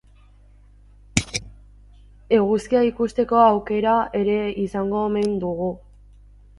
Eguzkia ikusteko aukera ere izango omen dugu.